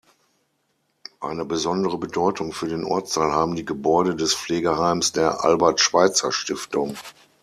Eine besondere Bedeutung für den Ortsteil haben die Gebäude des Pflegeheims der "Albert-Schweitzer-Stiftung".